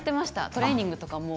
トレーニングとかも。